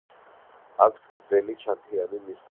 აქვთ გრძელი, ჩანთიანი ნისკარტი, ფართო ფრთები, მოკლე ბოლო.